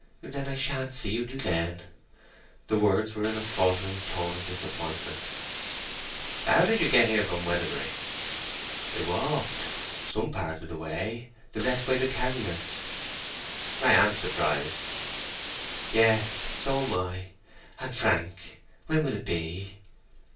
"Then I shan't see you till then!" The words were in a faltering tone of disappointment. "How did you get here from Weatherbury?" "I walked—some part of the way—the rest by the carriers." "I am surprised." "Yes—so am I. And Frank, when will it be?"